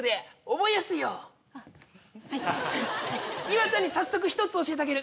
いわちゃんに早速１つ教えてあげる。